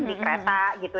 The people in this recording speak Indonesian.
di kereta gitu